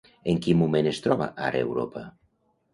En quin moment es troba ara Europa?